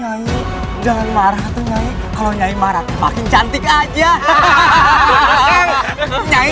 aku harus menolong orang gak puan